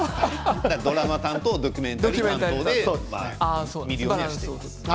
ドラマ担当ドキュメンタリー担当で見るようにはしています。